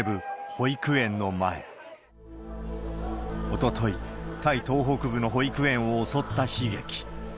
おととい、タイ東北部の保育園を襲った悲劇。